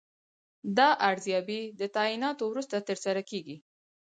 دا ارزیابي د تعیناتو وروسته ترسره کیږي.